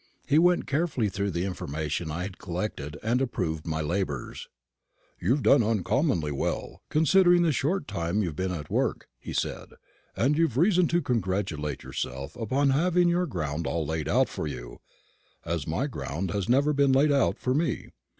He went carefully through the information I had collected, and approved my labours. "You've done uncommonly well, considering the short time you've been at the work," he said; "and you've reason to congratulate yourself upon having your ground all laid out for you, as my ground has never been laid out for me.